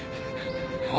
あ！